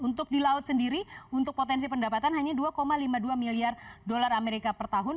untuk di laut sendiri untuk potensi pendapatan hanya dua lima puluh dua miliar dolar amerika per tahun